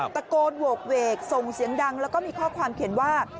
ตะโกนโหกเวกส่งเสียงดังแล้วก็มีข้อความเขียนว่า